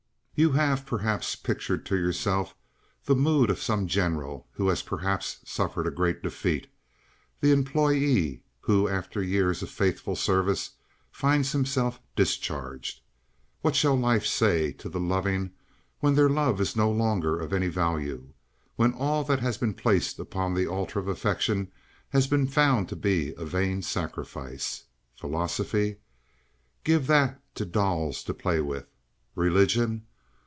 You have, perhaps, pictured to yourself the mood of some general who has perhaps suffered a great defeat; the employee who after years of faithful service finds himself discharged. What shall life say to the loving when their love is no longer of any value, when all that has been placed upon the altar of affection has been found to be a vain sacrifice? Philosophy? Give that to dolls to play with. Religion?